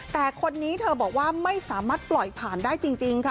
แต่คนนี้เธอบอกว่าไม่สามารถปล่อยผ่านได้จริงค่ะ